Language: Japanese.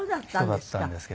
人だったんですけど。